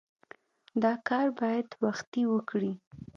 دا کار باید وختي وکړې.